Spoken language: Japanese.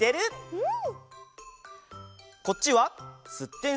うん！